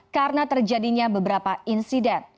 karena terjadinya beberapa insiden